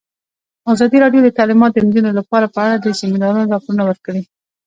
ازادي راډیو د تعلیمات د نجونو لپاره په اړه د سیمینارونو راپورونه ورکړي.